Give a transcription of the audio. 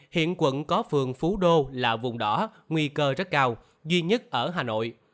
hiện quận có phường phú đô là vùng đỏ nguy cơ rất cao duy nhất ở hà nội